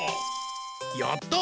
やった！